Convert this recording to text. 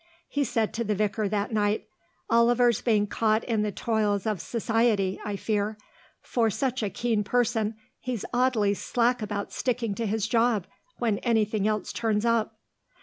He said to the vicar that night, "Oliver's being caught in the toils of Society, I fear. For such a keen person, he's oddly slack about sticking to his job when anything else turns up."